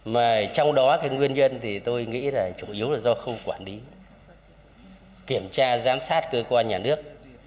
mà trong đó cái nguyên nhân thì tôi nghĩ là chủ yếu là do khâu quản lý kiểm tra giám sát cơ quan nhà nước